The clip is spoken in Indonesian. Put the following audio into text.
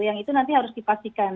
yang itu nanti harus dipastikan